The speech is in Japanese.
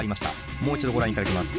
もう一度ご覧頂きます。